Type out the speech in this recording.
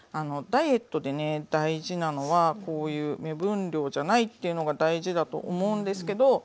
ダイエットでね大事なのはこういう目分量じゃないっていうのが大事だと思うんですけど。